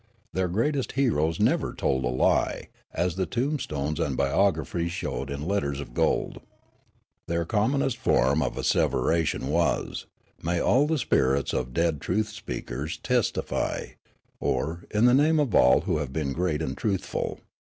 Their greatest heroes never told a lie, as the tombstones and biographies showed in letters of gold. Their commonest form of asseveration was, " May all the spirits of dead truth speakers test ify," or " In the name of all who have been great and truthful."